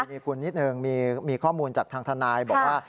มีคุณนิดนึงมีข้อมูลจากทางทนายบอกว่า